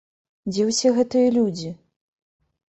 Дзе ўсе гэтыя людзі?